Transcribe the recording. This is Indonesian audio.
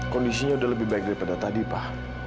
kondisinya sudah lebih baik daripada tadi pak